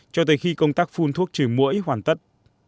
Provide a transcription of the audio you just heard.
cho tới khi công tác phun thuốc trừ mũi hoàn tất